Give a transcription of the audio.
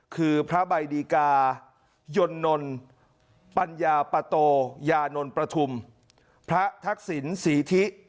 คือพระใบดีกายนนปัญญาปะโตยานนท์ประทุมพระทักษิณศรีธิ